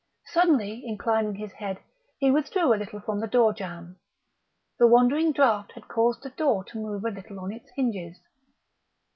Suddenly, inclining his head, he withdrew a little from the door jamb. The wandering draught caused the door to move a little on its hinges.